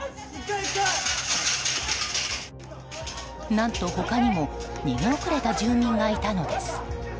何と、他にも逃げ遅れた住民がいたのです。